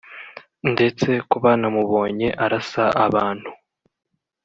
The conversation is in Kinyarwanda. ndetse ko banamubonye arasa abantu